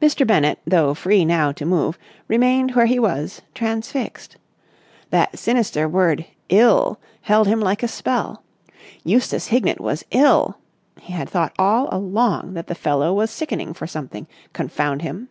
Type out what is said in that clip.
Mr. Bennett, though free now to move, remained where he was, transfixed. That sinister word "ill" held him like a spell. Eustace Hignett was ill! He had thought all along that the fellow was sickening for something, confound him!